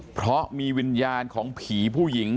เพราะมีวิญญาณของผีผู้หญิง